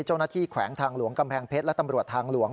เจ้านักที่แขวงทางหลวงกำแพงเพชรและตำรวจทางหลวง